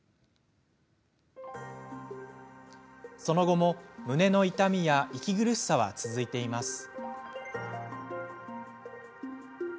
その後も、胸の痛みや息苦しさは続いています。